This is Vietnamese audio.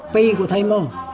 pi của thầy mò